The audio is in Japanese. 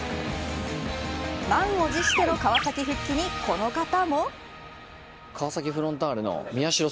満を持しての川崎復帰にこの方も。